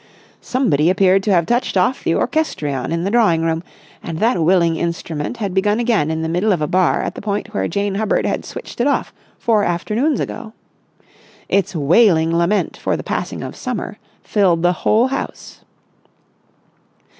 Somebody appeared to have touched off the orchestrion in the drawing room, and that willing instrument had begun again in the middle of a bar at the point where Jane Hubbard had switched it off four afternoons ago. Its wailing lament for the passing of Summer filled the whole house.